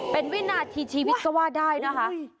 เป็นวินาทีชีวิตก็ว่าได้นะคะ